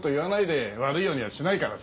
悪いようにはしないからさ。